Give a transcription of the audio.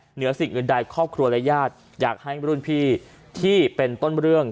เหนือสิ่งอื่นใดครอบครัวและญาติอยากให้รุ่นพี่ที่เป็นต้นเรื่อง